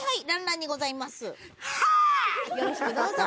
よろしくどうぞ。